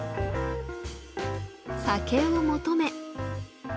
酒を求め。